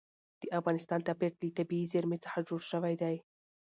د افغانستان طبیعت له طبیعي زیرمې څخه جوړ شوی دی.